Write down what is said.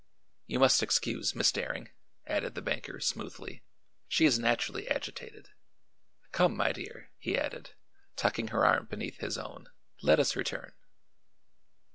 "You must excuse Miss Daring," added the banker smoothly. "She is naturally agitated. Come, my dear," he added, tucking her arm beneath his own, "let us return."